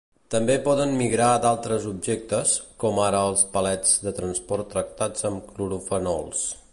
També poden migrar d'altres objectes, com ara els palets de transport tractats amb clorofenols.